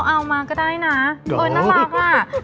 งั้นเราเอามาก็ได้นะน่าสนากว่าอะหรอ